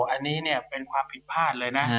อันนี้เป็นความผิดพลาดเลยนะ